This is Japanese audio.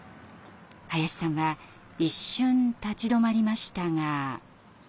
林さんは一瞬立ち止まりましたが。